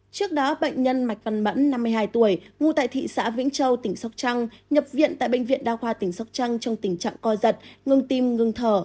trước đó bệnh nhân mạch văn mẫn năm mươi hai tuổi ngụ tại thị xã vĩnh châu tỉnh sóc trăng nhập viện tại bệnh viện đa khoa tỉnh sóc trăng trong tình trạng co giật ngừng tim ngừng thở